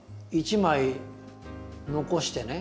１枚残してね。